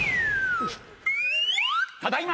ただいま。